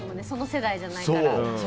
その世代じゃないから。